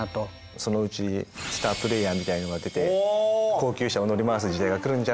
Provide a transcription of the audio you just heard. そのうちスタープレーヤーみたいのが出て高級車を乗り回す時代がくるんじゃないのかなと。